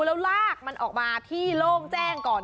แล้วลากมันออกมาที่โล่งแจ้งก่อน